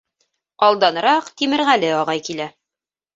Алданыраҡ Тимерғәле ағай килә.